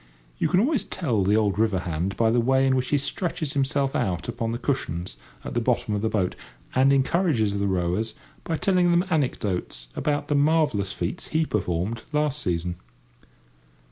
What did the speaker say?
You can always tell the old river hand by the way in which he stretches himself out upon the cushions at the bottom of the boat, and encourages the rowers by telling them anecdotes about the marvellous feats he performed last season.